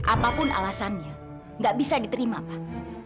apapun alasannya gak bisa diterima pak